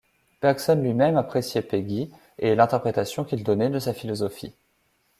Bergson lui-même appréciait Péguy et l'interprétation qu'il donnait de sa philosophie.